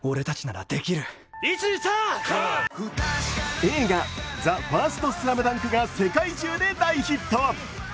映画「ＴＨＥＦＩＲＳＴＳＬＡＭＤＵＮＫ」が世界中で大ヒット。